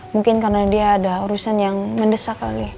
mungkin karena dia ada urusan yang mendesak kali